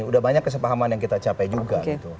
udah banyak kesepahaman yang kita capai juga gitu